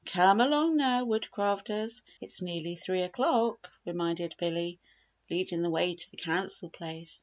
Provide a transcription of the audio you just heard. "Come along now, Woodcrafters it's nearly three o'clock," reminded Billy, leading the way to the Council place.